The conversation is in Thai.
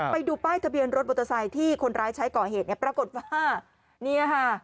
ไปดูป้ายทะเบียนรถมอเตอร์ไซค์ที่คนร้ายใช้ก่อเหตุเนี่ยปรากฏว่าเนี่ยค่ะ